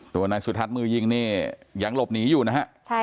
ตัวไหนสุธัษน์มือยิงอยู่หลบหนีอยู่วอ่ะ